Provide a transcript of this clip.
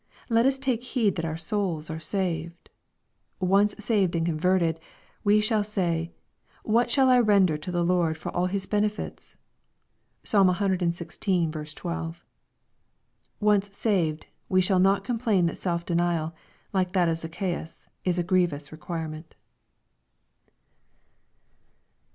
Let us take heed that our souls are saved. Once saved and converted, / we shall say, "What shall I render to the Lord for all His benefits ?" (Psalm cxvi. 12.) Once saved, we shall not complain that self denial, like that of Zacchaeus, is a grievous requirement.